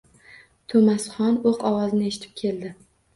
To’masxon o’q ovozini eshitib keldi.